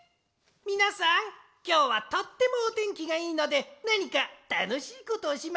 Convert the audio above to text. みなさんきょうはとってもおてんきがいいのでなにかたのしいことをしませんか？